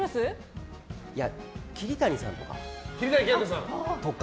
桐谷さんとか？